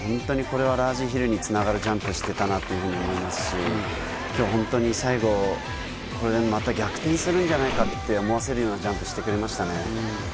これはラージヒルにつながるジャンプをしていたなと思いますし、本当に最後、これでまた逆転するんじゃないかって思わせるようなジャンプをしてくれましたね。